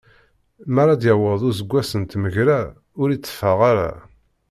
Mi ara d-yaweḍ useggas n tmegra, ur itteffeɣ ara.